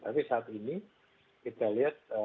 tapi saat ini kita lihat